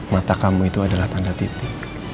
mata kamu itu adalah tanda titik